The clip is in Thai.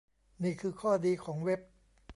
นี่คือข้อดีของเว็บ